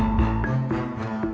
anda akan demande